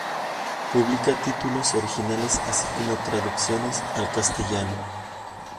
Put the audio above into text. Publica títulos originales así como traducciones al castellano.